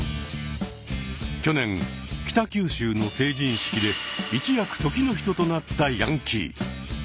去年北九州の成人式で一躍時の人となったヤンキー。